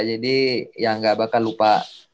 jadi ya nggak bakal lupa